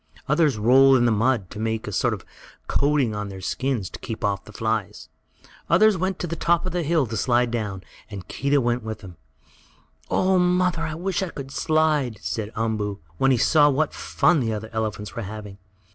Others rolled in the mud, to make a sort of coating over their skins, to keep off the flies. Others went to the top of the hill to slide down, and Keedah went with them. "Oh, mother! I wish I could slide!" said Umboo, when he saw what fun the other elephants were having.